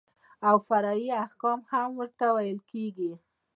او فرعي احکام هم ورته ويل کېږي.